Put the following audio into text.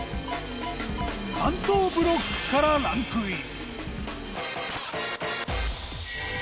関東ブロックからランクイン。